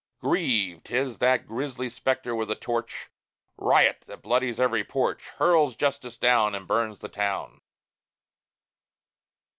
Grieve! 'tis that grisly spectre with a torch, Riot that bloodies every porch, Hurls justice down And burns the town.